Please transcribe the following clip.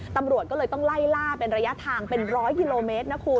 ตำรวจก็เลยต้องไล่ล่าเป็นระยะทางเป็นร้อยกิโลเมตรนะคุณ